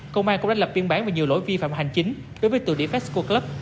công an cũng đã lập biên bản về nhiều lỗi vi phạm hành chính đối với tựa địa fesco club